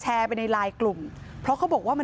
ช่องบ้านต้องช่วยแจ้งเจ้าหน้าที่เพราะว่าโดนฟันแผลเวิกวะค่ะ